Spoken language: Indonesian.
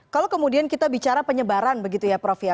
kalau kemudian kita bicara penyebaran begitu ya prof ya